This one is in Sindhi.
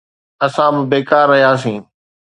اسان به بيڪار رهياسين.